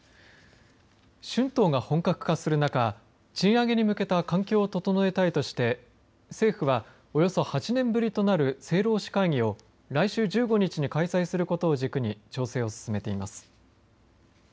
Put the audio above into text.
春闘が本格化する中賃上げに向けた環境を整えたいとして政府はおよそ８年ぶりとなる政労使会議を来週１５日に開催することを軸に調整を進めています。